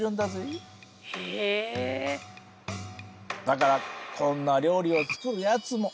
だからこんな料理を作るやつも。